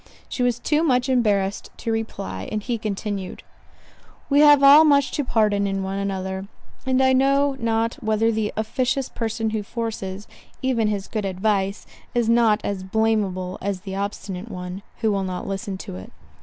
She was too much embarrassed to reply, and he continued, "We have all much to pardon in one another: and I know not whether the officious person who forces, even his good advice, is not as blameable as the obstinate one, who will not listen to it.